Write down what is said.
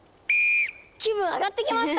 気分上がってきました！